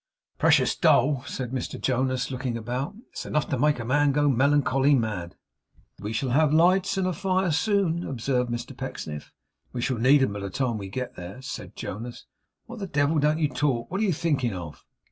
'Precious dull,' said Mr Jonas, looking about. 'It's enough to make a man go melancholy mad.' 'We shall have lights and a fire soon,' observed Mr Pecksniff. 'We shall need 'em by the time we get there,' said Jonas. 'Why the devil don't you talk? What are you thinking of?